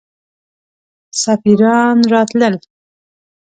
سفیران راتلل.